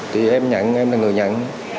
thì em nhận em là người nhận